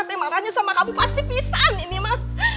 temarannya sama kamu pasti pisah nih ini mah